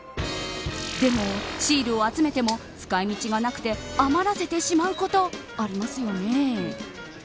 でも、シールを集めても使い道がなくて余らせてしまうことありますよね。